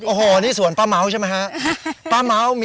โอ้โหนี่สวนป้าเม้าใช่ไหมฮะ